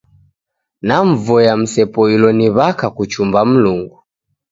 Namvoya msepoilo ni w'aka kuchumba Mlungu.